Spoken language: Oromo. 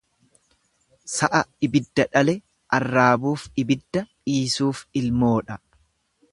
Sa'a ibidda dhale, arraabuuf ibidda, dhiisuuf ilmoodha.